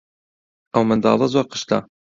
ئەو منداڵە زۆر قشتە.